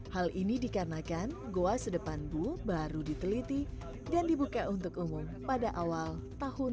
hal ini dikarenakan goa sedepan bu baru diteliti dan dibuka untuk umum pada awal tahun dua ribu dua puluh